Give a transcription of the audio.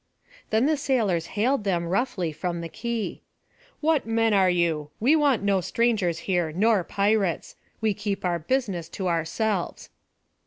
Then the sailors hailed them roughly from the quay: "What men are you? we want no strangers here, nor pirates. We keep our business to ourselves."